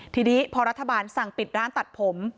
ทีนี้พอรัฐบาลสั่งปิดร้านตัดผม